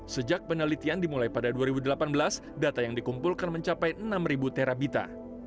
sejak penelitian dimulai pada dua ribu delapan belas data yang dikumpulkan mencapai enam terabita